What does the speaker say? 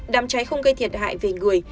đám cháy không gây thiệt hại về người